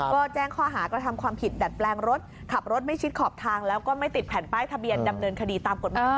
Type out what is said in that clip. บังคนแล้วบังทั้งคันด้วยนะ